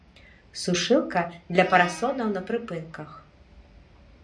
Сушылка для парасонаў на прыпынках.